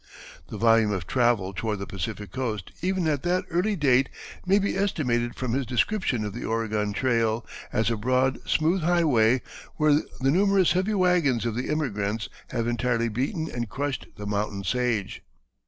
The volume of travel toward the Pacific Coast even at that early date may be estimated from his description of the Oregon trail as "a broad smooth highway where the numerous heavy wagons of the emigrants have entirely beaten and crushed the mountain sage."